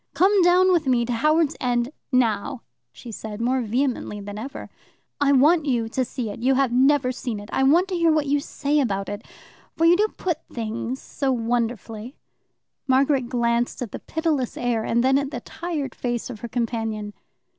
"Come down with me to Howards End now," she said, more vehemently than ever. "I want you to see it. You have never seen it. I want to hear what you say about it, for you do put things so wonderfully." Margaret glanced at the pitiless air and then at the tired face of her companion.